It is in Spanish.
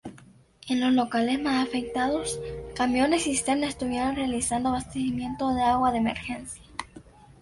En los locales más afectados, camiones cisterna estuvieron realizando abastecimiento de agua de emergencia.